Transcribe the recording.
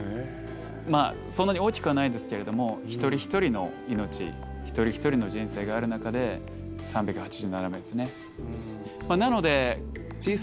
まあそんなに大きくはないですけれども一人一人の命一人一人の人生がある中で３８７名ですね。